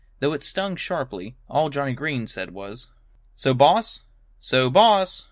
Though it stung sharply, all Johnnie Green said was, "So, boss! So, boss!"